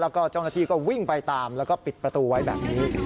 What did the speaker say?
แล้วก็เจ้าหน้าที่ก็วิ่งไปตามแล้วก็ปิดประตูไว้แบบนี้